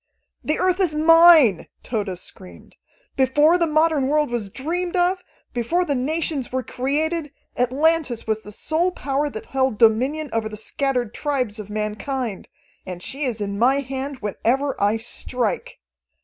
"The Earth is mine!" Tode screamed. "Before the modern world was dreamed of, before the nations were created, Atlantis was the sole power that held dominion over the scattered tribes of mankind. And she is in my hand whenever I strike.